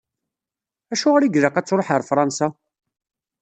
Acuɣer i ilaq ad tṛuḥ ɣer Fṛansa?